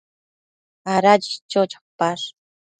Ada chicho chopash ?